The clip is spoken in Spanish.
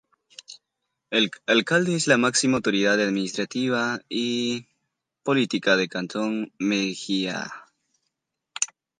El Alcalde es la máxima autoridad administrativa y política del Cantón Mejía.